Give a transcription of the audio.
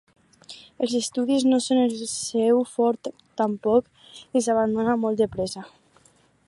Els estudis no són el seu fort tampoc i els abandona molt de pressa.